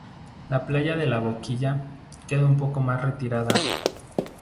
La playa de La Boquilla queda un poco más retirada.